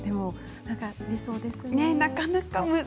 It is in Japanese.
理想ですね。